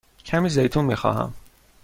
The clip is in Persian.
کمی زیتون می خواهم.